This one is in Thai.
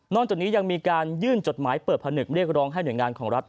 จากนี้ยังมีการยื่นจดหมายเปิดผนึกเรียกร้องให้หน่วยงานของรัฐ